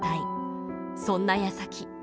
そんなやさき。